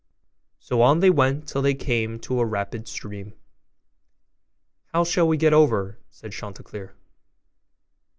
So on they went till they came to a rapid stream. 'How shall we get over?' said Chanticleer.